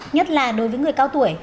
nhất là đối với người cao tuổi